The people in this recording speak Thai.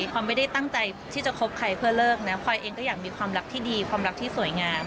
พลอยไม่ได้ตั้งใจที่จะคบใครเพื่อเลิกนะพลอยเองก็อยากมีความรักที่ดีความรักที่สวยงาม